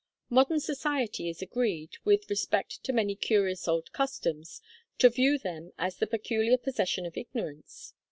Modern society is agreed, with respect to many curious old customs, to view them as the peculiar possession of ignorance.